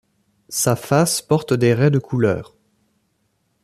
Sa face porte des raies de couleur.